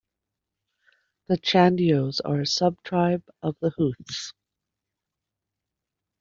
The Chandios are a sub-tribe of the Hooths.